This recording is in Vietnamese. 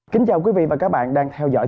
kính chào quý vị và các bạn đang theo dõi